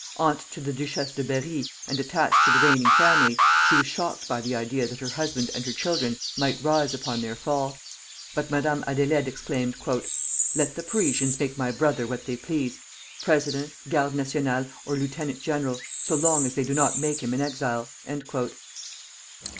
Aunt to the Duchesse de Berri and attached to the reigning family, she was shocked by the idea that her husband and her children might rise upon their fall; but Madame Adélaïde exclaimed: "Let the Parisians make my brother what they please, President, Garde National, or Lieutenant General, so long as they do not make him an exile."